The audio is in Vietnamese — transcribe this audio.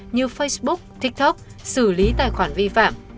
như facebook tiktok xử lý tài khoản vi phạm